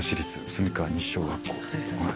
澄川西小学校。